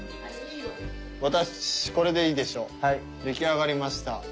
出来上がりました。